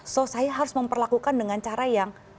so saya harus memperlakukan dengan cara yang